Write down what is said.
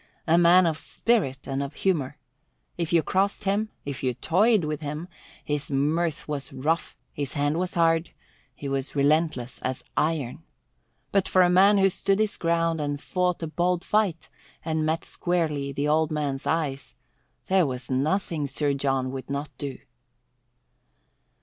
A man of spirit and of a humour! If you crossed him, if you toyed with him, his mirth was rough, his hand was hard, he was relentless as iron. But for a man who stood his ground and fought a bold fight and met squarely the old man's eyes, there was nothing Sir John would not do.